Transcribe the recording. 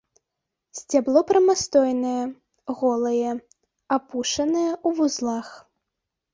Сцябло прамастойнае, голае, апушанае ў вузлах.